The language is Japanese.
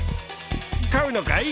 買うのかい？